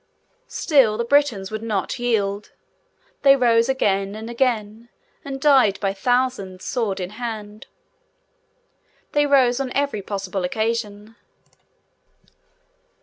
Still, the Britons would not yield. They rose again and again, and died by thousands, sword in hand. They rose, on every possible occasion.